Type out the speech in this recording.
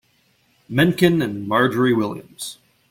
Mencken and Margery Williams.